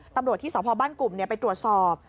ตำรวจที่สพบ้านกลุ่มไปตรวจสอบ